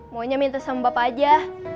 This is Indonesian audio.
maunya minta sama bapak aja